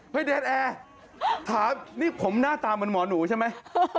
เดรนแอร์ถามนี่ผมหน้าตาเหมือนหมอหนูใช่ไหม